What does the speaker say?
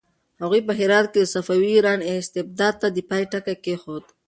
هغوی په هرات کې د صفوي ایران استبداد ته د پای ټکی کېښود.